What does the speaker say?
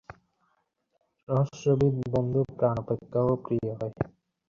রহস্যবিদ বন্ধু প্রাণ অপেক্ষাও প্রিয় হয়।